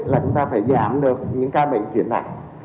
là chúng ta phải giảm được những ca bệnh chuyển nặng